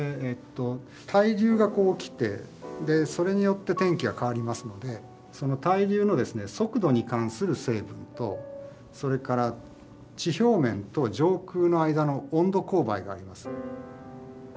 対流が起きてそれによって天気が変わりますのでその対流の速度に関する成分とそれから地表面と上空の間の温度勾配があります。